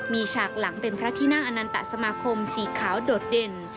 มีฉากหลังเป็นพระที่นั่งอนันตสมาคมสีขาวโดดเด่น